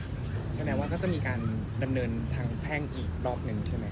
แสดงว่าก็จะมีการดำเนินทางแพ่งอีกรอบหนึ่งใช่ไหม